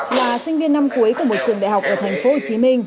là sinh viên năm cuối của một trường đại học ở thành phố hồ chí minh